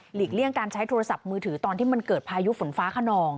เลี่ยงการใช้โทรศัพท์มือถือตอนที่มันเกิดพายุฝนฟ้าขนอง